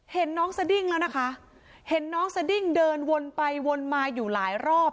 เห็นน้องสดิ้งแล้วนะคะเห็นน้องสดิ้งเดินวนไปวนมาอยู่หลายรอบ